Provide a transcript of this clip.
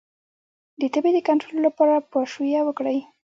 د تبې د کنټرول لپاره پاشویه وکړئ